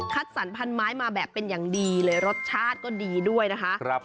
สรรพันไม้มาแบบเป็นอย่างดีเลยรสชาติก็ดีด้วยนะคะ